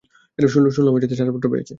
শুনলাম ছাড়পত্র পেয়েছে।